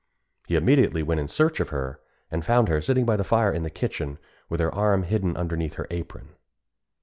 He immediately went in search of her, and found her sitting by the fire in the kitchen, with her arm hidden underneath her apron.